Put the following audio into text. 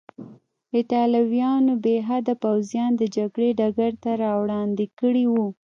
ایټالویانو بې حده پوځیان د جګړې ډګر ته راوړاندې کړي وو.